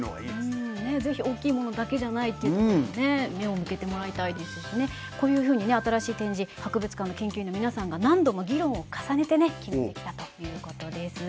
ねっ是非大きいものだけじゃないっていうところにね目を向けてもらいたいですしねこういうふうにね新しい展示博物館の研究員の皆さんが何度も議論を重ねてね決めてきたということです。